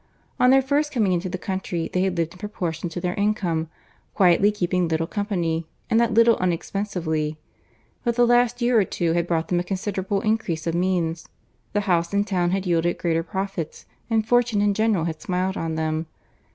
On their first coming into the country, they had lived in proportion to their income, quietly, keeping little company, and that little unexpensively; but the last year or two had brought them a considerable increase of means—the house in town had yielded greater profits, and fortune in general had smiled on them.